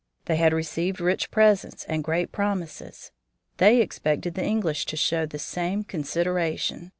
They had received rich presents and great promises. They expected the English to show them the same consideration.